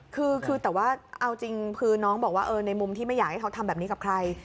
คือแต่ว่าเอาจริงคือน้องบอกว่าในมุมที่ไม่อยากให้เขาทำแบบนี้กับใคร